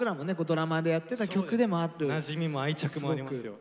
なじみも愛着もありますよ。